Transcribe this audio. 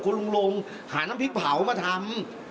คุณลุงลงหาน้ำพริกเผามาทำ